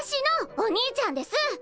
お兄ちゃんです！